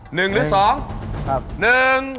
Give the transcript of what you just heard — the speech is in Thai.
๑หรือ๒